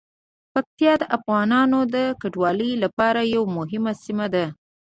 پکتیا د افغانانو د کډوالۍ لپاره یوه مهمه سیمه ده.